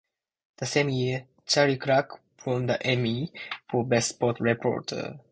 The same year, Chris Clark won the Emmy for best sports reporter.